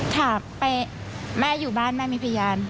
ถามไปแม่อยู่บ้านแม่มีพยาน